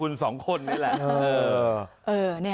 นี่นี่นี่นี่